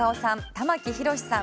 玉木宏さん